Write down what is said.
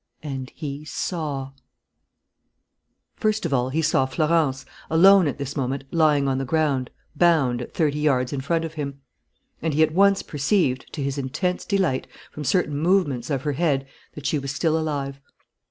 And he saw ... First of all, he saw Florence, alone at this moment, lying on the ground, bound, at thirty yards in front of him; and he at once perceived, to his intense delight, from certain movements of her head that she was still alive.